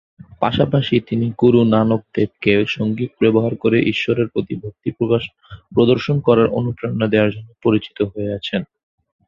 পাশাপাশি, তিনি গুরু নানক দেবকে, সঙ্গীত ব্যবহার করে ঈশ্বরের প্রতি ভক্তি প্রদর্শন করার অনুপ্রেরণা দেওয়ার জন্য পরিচিত হয়ে আছেন।